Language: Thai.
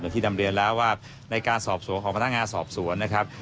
ที่นำเรียนแล้วว่าในการสอบสวนของพนักงานสอบสวนนะครับ